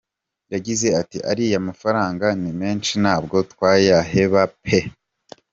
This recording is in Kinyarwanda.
Yagize ati: “Ariya mafaranga ni menshi ntabwo twayaheba pe.